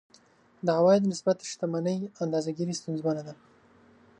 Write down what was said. د عوایدو نسبت شتمنۍ اندازه ګیري ستونزمنه ده.